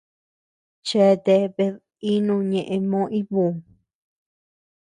Cheatea bed inu ñëʼe Moo ibu.